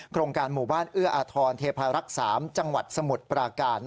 โครงการหมู่บ้านเอื้ออาทรเทพารักษ์๓จังหวัดสมุทรปราการ